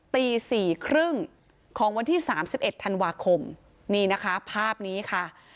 ตี๔๓๐ของวันที่๓๑ธันวาคมนี่นะคะภาพนี้ค่ะ